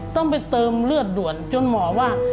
ต้องไปเติมเลือดด่วนจนหมอว่า